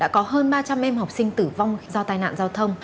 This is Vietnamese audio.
có hơn ba trăm linh em học sinh tử vong do tai nạn giao thông